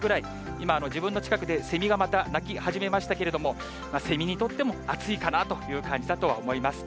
今、自分の近くでセミがまた泣き始めましたけれども、セミにとっても暑いかなという感じだとは思います。